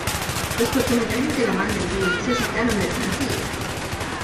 Los cortometrajes de la banda en vivo se sacaron del sencillo.